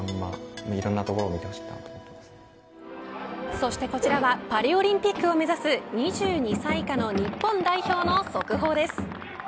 そしてこちらはパリオリンピックを目指す２２歳以下の日本代表の速報です。